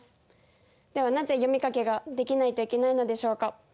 ではなぜ読み書きができないといけないのでしょうか。